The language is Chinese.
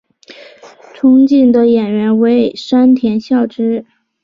憧憬的演员为山田孝之。